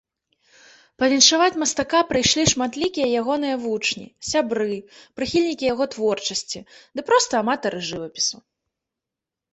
Павіншаваць мастака прыйшлі шматлікія ягоныя вучні, сябры, прыхільнікі яго творчасці ды проста аматары жывапісу.